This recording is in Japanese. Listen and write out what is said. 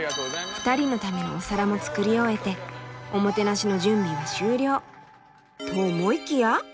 ２人のためのお皿も作り終えておもてなしの準備は終了。と思いきや？